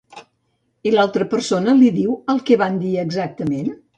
I l'altra persona, li diu el que van dir exactament?